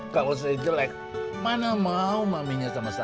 kalau saya jelek mana mau maminya sama saya